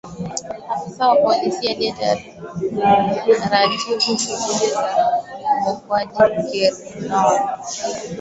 afisa wa polisi inayeratibu shughuli za uokoaji ker nol